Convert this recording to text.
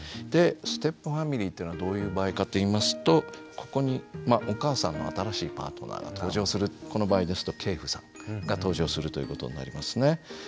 でステップファミリーっていうのはどういう場合かといいますとここにお母さんの新しいパートナーが登場するこの場合ですと継父さんが登場するということになりますね。